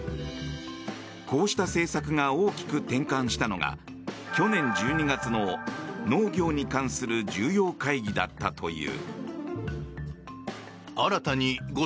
こうした政策が大きく転換したのが去年１２月の、農業に関する重要会議だったという。